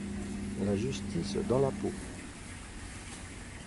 La Justice dans la peau.